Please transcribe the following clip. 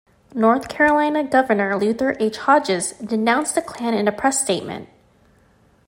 North Carolina Governor Luther H. Hodges denounced the Klan in a press statement.